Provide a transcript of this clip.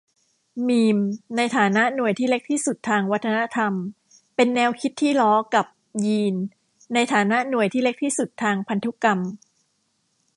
มีม ในฐานะหน่วยที่เล็กที่สุดทางวัฒนธรรม เป็นแนวคิดที่ล้อกับ ยีน ในฐานะหน่วยที่เล็กที่สุดทางพันธุกรรม